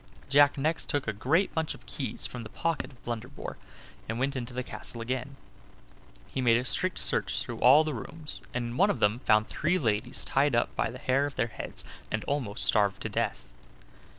Jack next took a great bunch of keys from the pocket of Blunderbore, and went into the castle again. He made a strict search through all the rooms, and in one of them found three ladies tied up by the hair of their heads, and almost starved to death.